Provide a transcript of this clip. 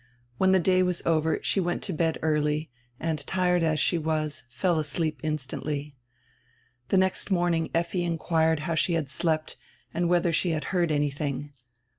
When the day was over she went to bed early and, tired as she was, fell asleep instantly. The next morning Effi inquired how she had slept and whether she had heard anything.